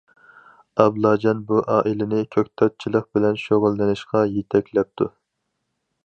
ئابلاجان بۇ ئائىلىنى كۆكتاتچىلىق بىلەن شۇغۇللىنىشقا يېتەكلەپتۇ.